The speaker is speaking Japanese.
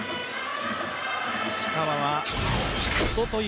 石川はおととい